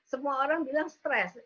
semua orang bilang stres